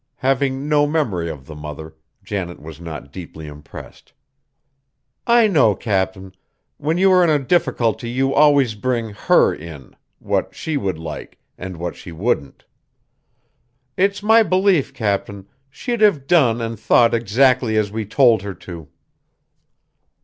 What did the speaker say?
Having no memory of the mother, Janet was not deeply impressed. "I know, Cap'n; when you are in a difficulty you always bring 'her' in, what she would like, and what she wouldn't. It's my belief, Cap'n, she'd have done and thought exactly as we told her to."